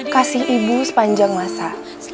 kasih ibu sepanjang masa